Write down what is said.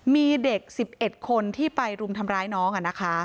มีเด็ก๑๑คนที่ไปรุมทำร้ายน้อง